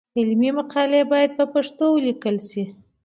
علمي مقالې باید په پښتو ولیکل شي.